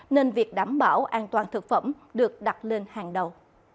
nên việc đảm bảo an toàn thực phẩm được đặt lên hàng đầu